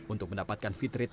untuk mendapatkan fitrit